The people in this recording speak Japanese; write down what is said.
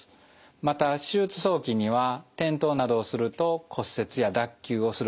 また手術早期には転倒などをすると骨折や脱臼をすることがあります。